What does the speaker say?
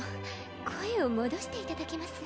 声を戻していただけます？